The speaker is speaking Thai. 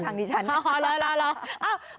คุณจะจีบมาทางดิฉันนะรอ